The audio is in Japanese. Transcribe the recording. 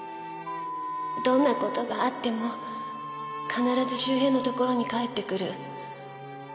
どんな事があっても必ず周平のところに帰ってくる。